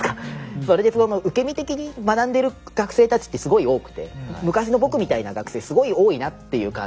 それで受け身的に学んでる学生たちってすごい多くて昔の僕みたいな学生すごい多いなっていう感じがすごいあるんですね。